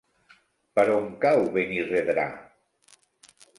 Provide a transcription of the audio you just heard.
Per on cau Benirredrà?